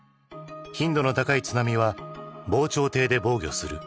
頻度の高い津波は防潮堤で防御する。